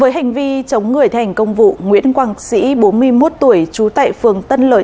với hành vi chống người thành công vụ nguyễn quang sĩ bốn mươi một tuổi chú tại phường tân lợi